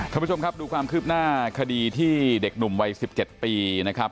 ท่านผู้ชมครับดูความคืบหน้าคดีที่เด็กหนุ่มวัย๑๗ปีนะครับ